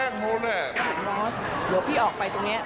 หนูเดี๋ยวพี่ออกไปตรงนี้